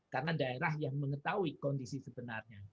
karena daerah yang mengetahui kondisi sebenarnya